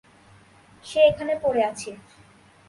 সে এখানে পড়ে আছে।